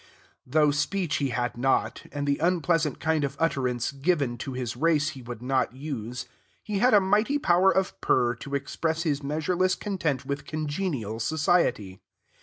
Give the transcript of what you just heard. Though speech he had not, and the unpleasant kind of utterance given to his race he would not use, he had a mighty power of purr to express his measureless content with congenial society.